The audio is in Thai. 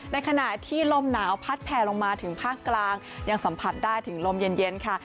ในขณะที่ลมหนาวพัดแผ่ลงมาถึงภาคกลางยังสัมผัสได้ถึงลมเย็นค่ะ